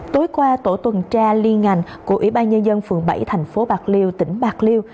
tối qua tổ tuần tra liên ngành của ủy ban nhân dân phường bảy thành phố bạc liêu tỉnh bạc liêu